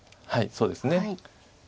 はいそうですね。